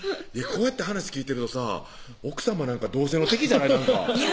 こうやって話聞いてるとさぁ奥さま同性の敵じゃない？